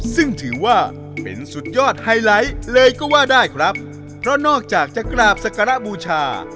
ซึ่งถือว่าเป็นสุดยอดไฮไลท์เลยก็ว่าได้ครับเพราะนอกจากจะกราบสักการะบูชา